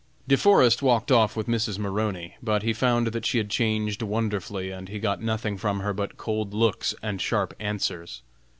De Forest walked off with Mrs. Maroney, but he found that she had changed wonderfully, and he got nothing from her but cold looks and sharp answers.